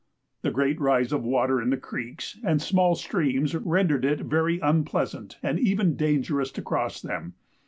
The great rise of water in the creeks and small streams rendered it very unpleasant and even dangerous to cross them.